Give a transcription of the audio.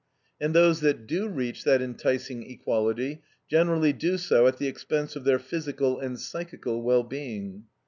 And those that do reach that enticing equality, generally do so at the expense of their physical and psychical well being.